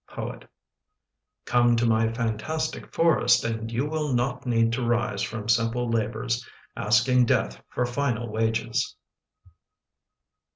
Poet Come to my fantastic forest And you will not need to rise From simple labours, asking death For final wages.